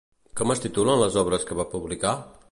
Com es titulen les obres que va publicar?